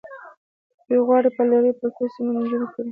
دوی غواړي په لرې پرتو سیمو کې نجونې زده کړې وکړي.